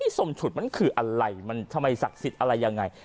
สมฉุดมันคืออะไรมันทำไมศักดิ์สิทธิ์อะไรยังไง